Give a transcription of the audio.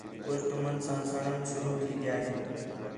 کُج تُمن تا سڑݨ شروع تھی ڳِیا ہِے